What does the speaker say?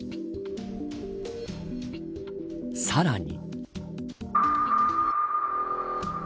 さらに。